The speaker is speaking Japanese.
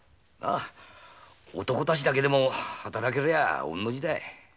男たちだけでも働けりゃ御の字だい。